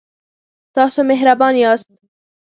تاسو مهربان یاست